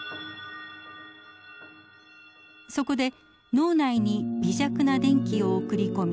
そこで脳内に微弱な電気を送り込み